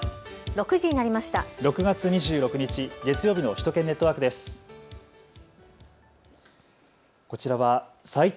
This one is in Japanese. ６時になりました。